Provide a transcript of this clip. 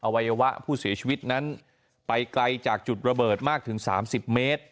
วัยวะผู้เสียชีวิตนั้นไปไกลจากจุดระเบิดมากถึง๓๐เมตร